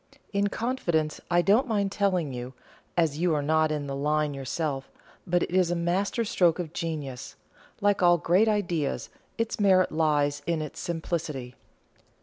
"In confidence, I don't mind telling you, as you are not in the line yourself; but it is a master stroke of genius. Like all great ideas, its merit lies in its simplicity."